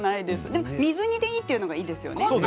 でも水煮でいいというのがいいですよね。